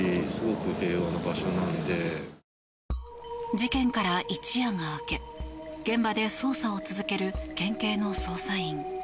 事件から一夜が明け現場で捜査を続ける県警の捜査員。